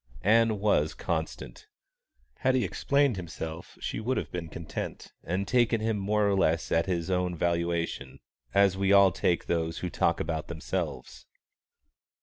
Ann was constant. Had he explained himself she would have been content and taken him more or less at his own valuation, as we all take those who talk about themselves.